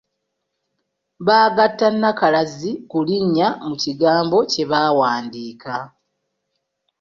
Baagatta nnakalazi ku linnya mu kigambo kye baawandiika.